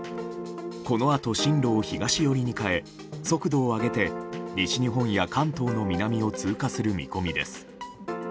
その後、進路を東寄りに変え速度を上げて西日本や関東の南を通過する見込みです。